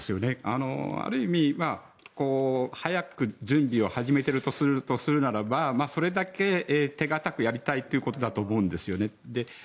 ある意味、早く準備を始めているとするならばそれだけ手堅くやりたいということだと思うんですね。